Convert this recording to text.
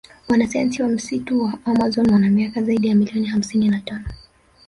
Wanasayansi wa msitu wa amazon wana miaka zaidi ya million hamsini na tano